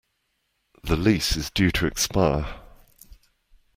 The lease is due to expire.